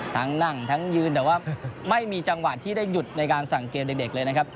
นั่งทั้งยืนแต่ว่าไม่มีจังหวะที่ได้หยุดในการสั่งเกมเด็กเลยนะครับ